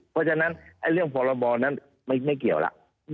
เพราะฉะนั้นเรื่องพรบนั้นไม่เกี่ยวล่ะ